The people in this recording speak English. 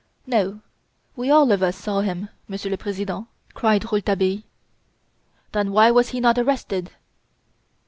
"No! We all of us saw him, Monsieur le President!" cried Rouletabille. "Then why was he not arrested?"